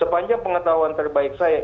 sepanjang pengetahuan terbaik saya